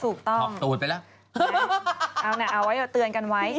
สวัสดีค่าข้าวใส่ไข่